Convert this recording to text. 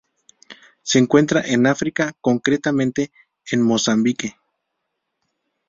Se encuentra en África, concretamente en Mozambique.